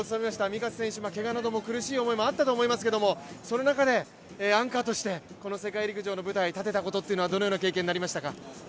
御家瀬選手、けがなども苦しい思いもあったと思いますけども、その中でアンカーとして世界陸上の舞台に立てたことはどのような経験になりましたか？